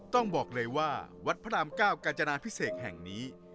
ต้องบอกเลยว่าวัดพระรามเก้ากาจนาพิเศษแห่งนี้